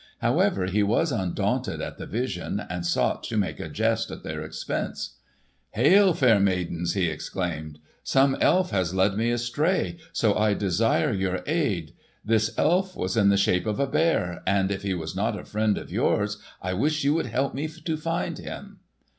However, he was undaunted at the vision, and sought to make a jest at their expense. "Hail, fair maidens!" he exclaimed. "Some elf has led me astray, so I desire your aid. This elf was in the shape of a bear, and if he was not a friend of yours, I wish you would help me find him."